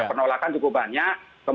penolakan cukup banyak